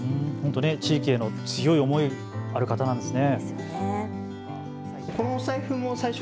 地域への強い思いある方なんですね。